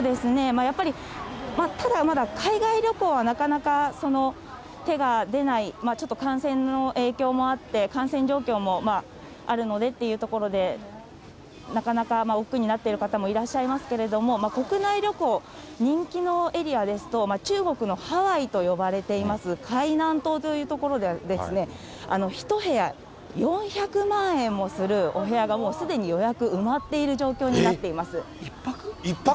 やっぱり、ただ、まだ海外旅行はなかなか手が出ない、ちょっと感染の影響もあって、感染状況もあるのでっていうところで、なかなかおっくうになっている方もいらっしゃいますけれども、国内旅行、人気のエリアですと、中国のハワイと呼ばれていますかいなん島という所では、１部屋４００万円もするお部屋がもうすでに予約、１泊？